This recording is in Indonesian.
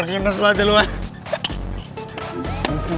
gak cinta terlarang gak kesampean orang yang pindah ke singapur